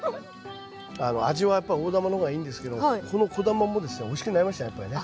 味はやっぱり大玉の方がいいんですけどこの小玉もですねおいしくなりましたねやっぱりね。